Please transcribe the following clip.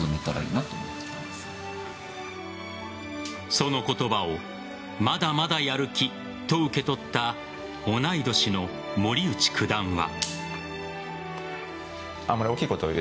その言葉をまだまだやる気と受け取った同い年の森内九段は。